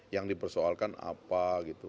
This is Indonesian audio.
yang dipersoalkan apa gitu